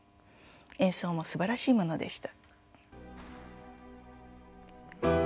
演奏もすばらしいものでした。